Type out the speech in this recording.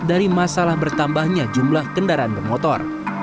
dari masalah bertambahnya jumlah kendaraan bermotor